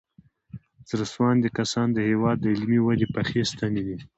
زړه سواندي کسان د هېواد د علمي ودې پخې ستنې دي.